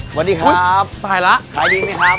สวัสดีครับตายแล้วขายดีไหมครับ